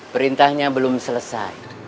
perintahnya belum selesai